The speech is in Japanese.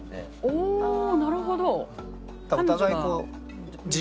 おおーなるほど。